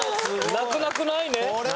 「なくなくない」。